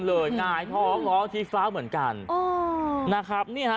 หงายท้องล้อชี้ฟ้าเหมือนกันอ๋อนะครับนี่ฮะ